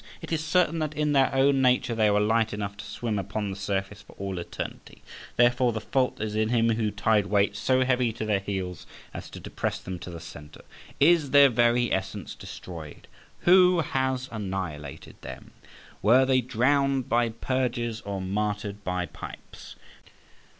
It is certain that in their own nature they were light enough to swim upon the surface for all eternity; therefore, the fault is in him who tied weights so heavy to their heels as to depress them to the centre. Is their very essence destroyed? Who has annihilated them? Were they drowned by purges or martyred by pipes?